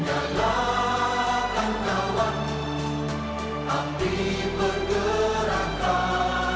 jalakan kawan hati bergerakan